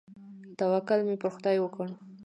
توکل مې پر خداى وکړ.